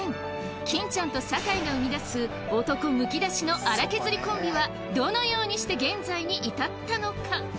金ちゃんと坂井が生み出す男むき出しの粗削りコンビはどのようにして現在に至ったのか？